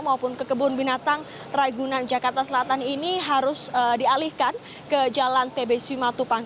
maupun ke kebun binatang rai gunan jakarta selatan ini harus dialihkan ke jalan tbs wimatupang